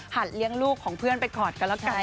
หัดเลี้ยงลูกของเพื่อนไปกอดกันแล้วกันนะครับ